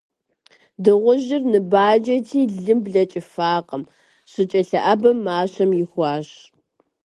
Дыгъужьыр ныбаджэти, лым блэкӏыфакъым: щыкӏэлъыӏэбэм мащэм ихуащ.